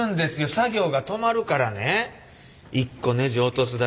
作業が止まるからね一個ネジ落とすだけで。